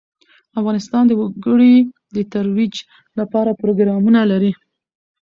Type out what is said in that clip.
افغانستان د وګړي د ترویج لپاره پروګرامونه لري.